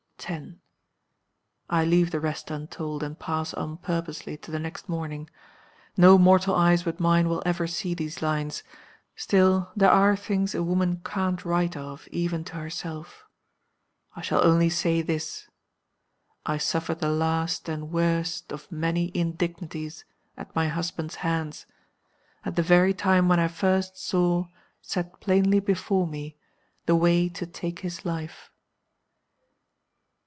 10. "I leave the rest untold, and pass on purposely to the next morning. "No mortal eyes but mine will ever see these lines. Still, there are things a woman can't write of even to herself. I shall only say this. I suffered the last and worst of many indignities at my husband's hands at the very time when I first saw, set plainly before me, the way to take his life.